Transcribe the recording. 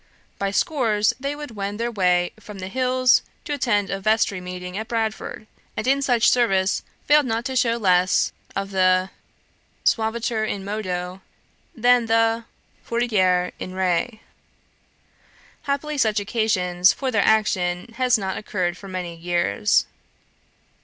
By scores would they wend their way from the hills to attend a vestry meeting at Bradford, and in such service failed not to show less of the suaviter in modo than the fortiter in re. Happily such occasion for their action has not occurred for many years.